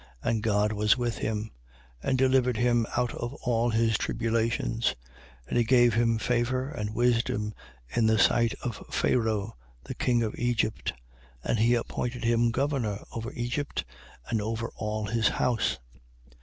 And God was with him, 7:10. And delivered him out of all his tribulations: and he gave him favour and wisdom in the sight of Pharao, the king of Egypt. And he appointed him governor over Egypt and over all his house.